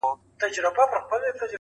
• د سرو شرابو د خُمونو د غوغا لوري.